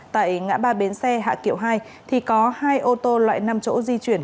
tại ngã ba bến xe hạ kiệu hai thì có hai ô tô loại năm chỗ di chuyển